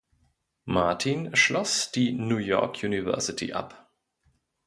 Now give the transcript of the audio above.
Martin schloss die New York University ab.